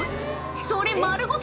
それ丸ごと